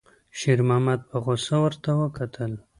شېرمحمد په غوسه ورته وکتل.